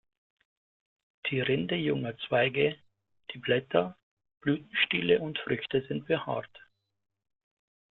Die Rinde junger Zweige, die Blätter, Blütenstiele und Früchte sind behaart.